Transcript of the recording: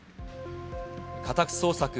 家宅捜索